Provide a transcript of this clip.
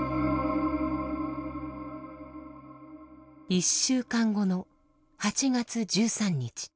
１週間後の８月１３日。